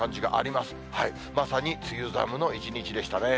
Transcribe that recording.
まさに梅雨寒の一日でしたね。